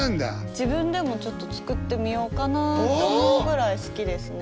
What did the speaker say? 自分でもちょっと作ってみようかなと思うぐらい好きですね。